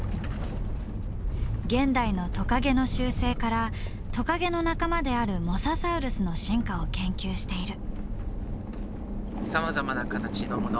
現代のトカゲの習性からトカゲの仲間であるモササウルスの進化を研究している。